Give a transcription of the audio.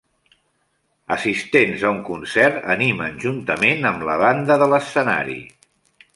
Assistent a un concert animen juntament amb la banda de l'escenari